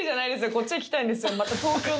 こっちが聞きたいんですよ。